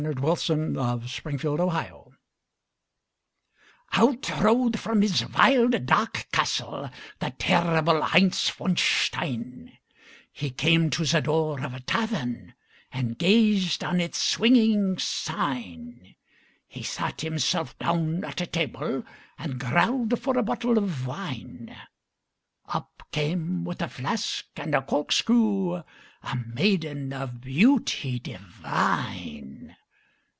_ THE LEGEND OF HEINZ VON STEIN Out rode from his wild, dark castle The terrible Heinz von Stein; He came to the door of a tavern And gazed on its swinging sign. He sat himself down at a table, And growled for a bottle of wine; Up came with a flask and a corkscrew A maiden of beauty divine.